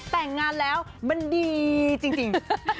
แต่งงานแล้วมันดีจริง